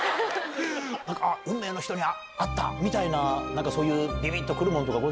あっ、運命の人に会ったみたいな、なんかそういうびびっとくるもん